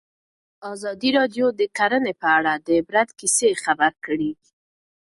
ازادي راډیو د کرهنه په اړه د عبرت کیسې خبر کړي.